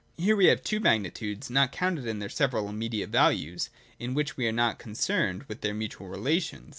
Here we have two magnitudes (not counted in their several immediate values) in which we are only concerned with their mutual relations.